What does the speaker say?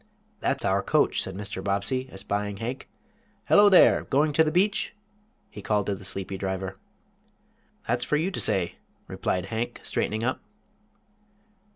"That's our coach," said Mr. Bobbsey, espying Hank. "Hello there! Going to the beach?" he called to the sleepy driver. "That's for you to say," replied Hank, straightening up.